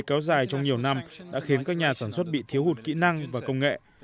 kéo dài trong nhiều năm đã khiến các nhà sản xuất bị thiếu hụt kỹ năng và công nghệ